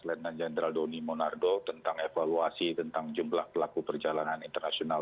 letnan jenderal doni monardo tentang evaluasi tentang jumlah pelaku perjalanan internasional